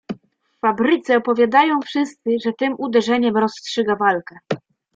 "W fabryce opowiadają wszyscy, że tym uderzeniem rozstrzyga walkę."